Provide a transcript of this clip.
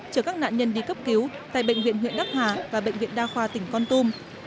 chở các nạn nhân đi cấp cứu tại bệnh viện huyện đắc hà và bệnh viện đa khoa tỉnh con tum